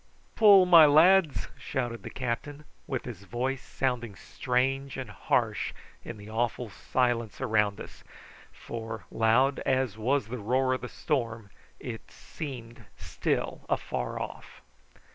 "Pull, my lads!" shouted the captain, with his voice sounding strange and harsh in the awful silence around us, for, loud as was the roar of the storm, it seemed still afar off.